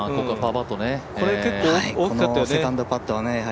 これ結構大きかったよね。